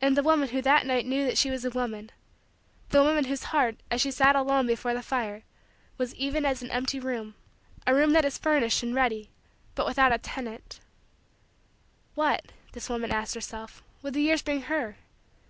And the woman who that night knew that she was a woman the woman whose heart, as she sat alone before the fire, was even as an empty room a room that is furnished and ready but without a tenant what, this woman asked herself, would the years bring her?